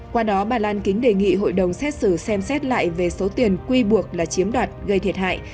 qua đó bà lan kính đề nghị hội đồng xét xử xem xét lại về số tiền quy buộc là chiếm đoạt gây thiệt hại